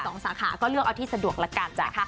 สาขาก็เลือกเอาที่สะดวกละกันจ้ะ